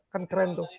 kan keren tuh